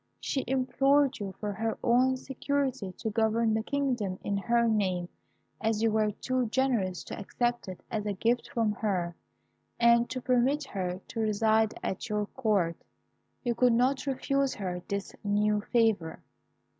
She implored you, for her own security, to govern the kingdom in her name, as you were too generous to accept it as a gift from her, and to permit her to reside at your Court. You could not refuse her this new favour.